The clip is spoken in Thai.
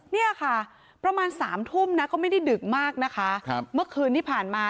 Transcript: เนี่ยค่ะประมาณ๓ทุ่มนะก็ไม่ได้ดึกมากนะคะเมื่อคืนที่ผ่านมา